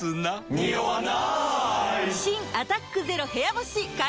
ニオわない！